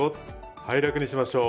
はい楽にしましょう。